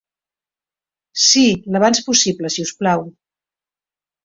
Si, l'abans possible si us plau.